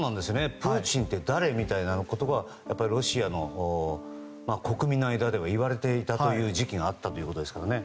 プーチンって誰みたいな言葉をロシアの国民の間ではいわれていた時期があったということですからね。